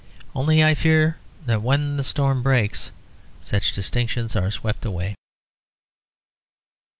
Only I fear that when the storm breaks, such distinctions are swept away.